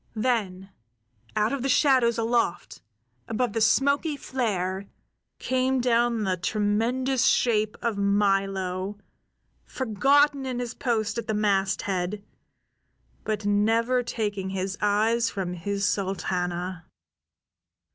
Then out of the shadows aloft, above the smoky flare, came down the tremendous shape of Milo, forgotten in his post at the masthead, but never taking his eyes from his Sultana.